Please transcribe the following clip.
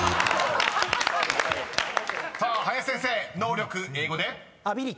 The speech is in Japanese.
［さあ林先生能力英語で？］